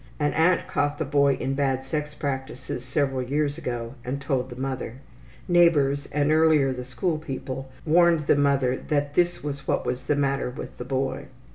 An aunt caught the boy in bad sex practices several years ago and told the mother. Neighbors, and earlier the school people, warned the mother that this was what was the matter with the boy.